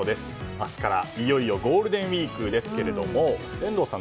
明日から、いよいよゴールデンウィークですけれども遠藤さん